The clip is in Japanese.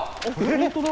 本当だ！